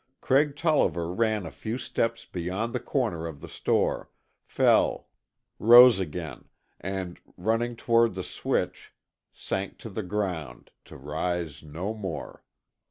Craig Tolliver ran a few steps beyond the corner of the store, fell, rose again and, running toward the switch, sank to the ground to rise no more.